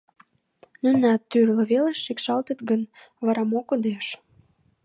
«Нунат тӱрлӧ велыш шикшалтыт гын, вара мо кодеш?